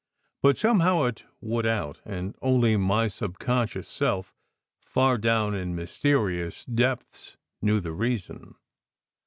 But somehow it would out, and only my subconscious self, far down in mysterious depths, knew the reason.